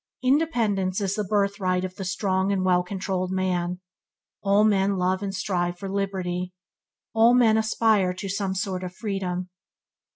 Independence is the birthright of the strong and well controlled man. All men love and strive for liberty. All men aspire to some sort of freedom.